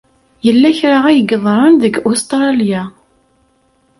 Yella kra ay yeḍran deg Ustṛalya.